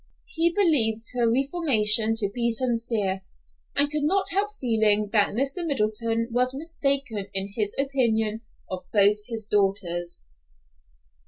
He believed her reformation to be sincere, and could not help feeling that Mr. Middleton was mistaken in his opinion of both his daughters.